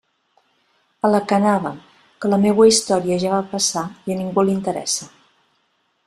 A la que anàvem, que la meua història ja va passar i a ningú li interessa.